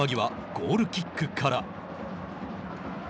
ゴールキックから。